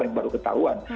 yang baru ketahuan